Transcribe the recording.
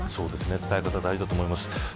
伝え方が大事だと思います。